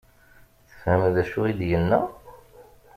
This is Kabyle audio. Tefhem d acu i d-yenna?